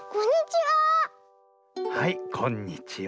はいこんにちは。